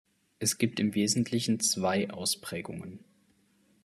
Es gibt im Wesentlichen zwei Ausprägungen.